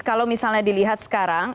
kalau misalnya dilihat sekarang